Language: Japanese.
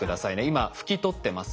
今拭き取ってますよね。